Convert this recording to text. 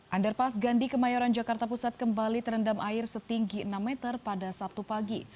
underpass gandhi kemayoran jakarta pusat kembali terendam air setinggi enam meter pada sabtu pagi